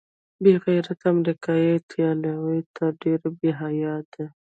بې غیرته امریکايي ایټالویه، ته ډېر بې حیا یې.